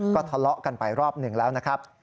ก็ทะเลาะกันไปรอบหนึ่งแล้วนะครับ